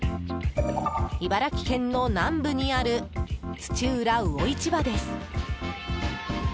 茨城県の南部にある土浦魚市場です。